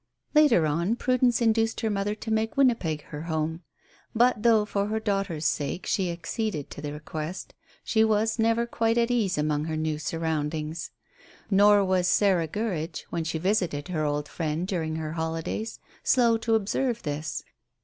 Later on Prudence induced her mother to make Winnipeg her home, but though, for her daughter's sake, she acceded to the request, she was never quite at ease among her new surroundings. Nor was Sarah Gurridge, when she visited her old friend during her holidays, slow to observe this.